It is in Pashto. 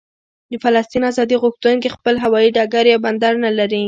د فلسطین ازادي غوښتونکي خپل هوايي ډګر یا بندر نه لري.